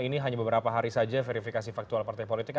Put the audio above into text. ini hanya beberapa hari saja verifikasi faktual partai politik